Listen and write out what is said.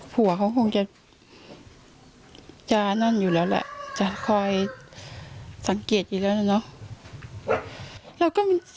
ผัวเขาคงจะนั่นอยู่แล้วแหละจะคอยสังเกตอยู่แล้วนะเนาะ